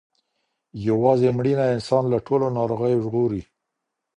یوازې مړینه انسان له ټولو ناروغیو ژغوري.